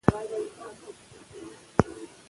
د ګرګین وراره کیخسرو خان پر کندهار برید وکړ.